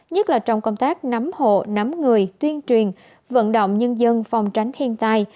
nhất là trong công tác nắm hộ nắm người tuyên truyền vận động nhân dân phòng tránh thiên tai